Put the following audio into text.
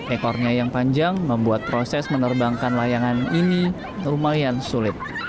ekornya yang panjang membuat proses menerbangkan layangan ini lumayan sulit